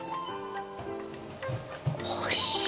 おいしい！